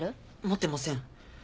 持ってません。